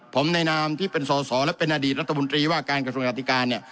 ผมในนามที่เป็นสอสอและเป็นอดีตรัฐมนตรีว่าการกระทรวงกฎิการเนี่ย